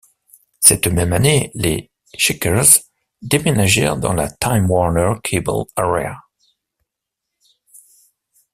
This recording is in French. Cette même année, les Checkers déménagèrent dans la Time Warner Cable Arena.